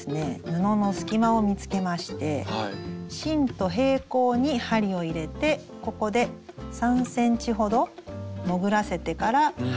布の隙間を見つけまして芯と平行に針を入れてここで３ｃｍほど潜らせてから針を引き抜きます。